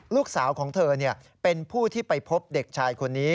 ลูกสาวของเธอเป็นผู้ที่ไปพบเด็กชายคนนี้